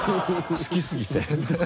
好きすぎて。